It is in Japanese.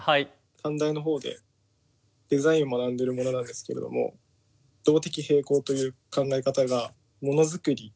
短大のほうでデザインを学んでいる者なんですけども動的平衡という考え方がモノづくり